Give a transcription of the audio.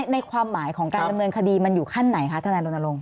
ในความหมายของการดำเนินคดีมันอยู่ขั้นไหนคะทนายรณรงค